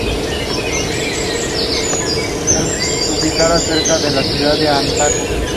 Ha dirigido episodios de "Taxi", "Newhart" y "Who’s the Boss?